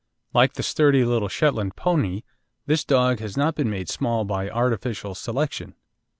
Like the sturdy little Shetland pony, this dog has not been made small by artificial selection.